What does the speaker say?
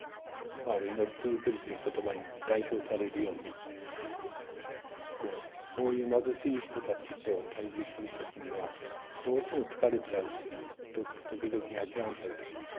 祈り続けるという言葉に代表されるようにこういう貧しい人たちと対じする時にはどうしても疲れちゃうし時々諦めちゃう時もある。